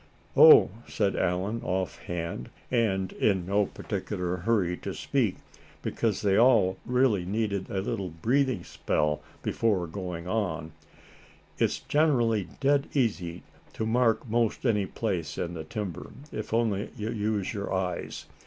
"Oh!" said Allan, off hand, and in no particular hurry to speak, because they all really needed a little breathing spell before going on, "it's generally dead easy to mark most any place in the timber, if only you use your eyes.